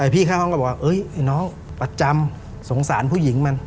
พี่ข้างห้องก็บอกว่าไอ้น้องประจำสงสารผู้หญิงมัน